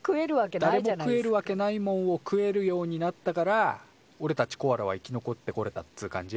だれも食えるわけないもんを食えるようになったからおれたちコアラは生き残ってこれたっつう感じ？